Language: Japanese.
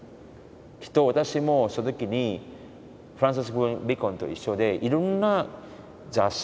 きっと私もその時にフランシス・ベーコンと一緒でいろんな雑誌